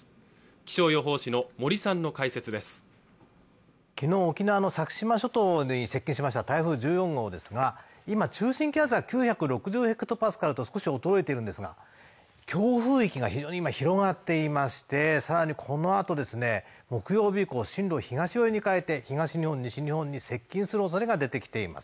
気象予報士の森さんの解説です昨日沖縄の先島諸島に接近しました台風１４号ですが今中心気圧は９６０ヘクトパスカルと少し衰えてるんですが強風域が非常に今広がっていましてさらにこのあとですね木曜日以降進路を東寄りに変えて東日本西日本に接近する恐れが出てきています